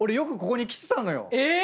え